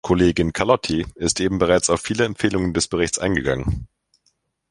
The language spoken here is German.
Kollegin Carlotti ist eben bereits auf viele Empfehlungen des Berichts eingegangen.